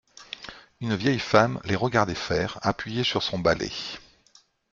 Une vieille femme les regardait faire, appuyée sur son balai.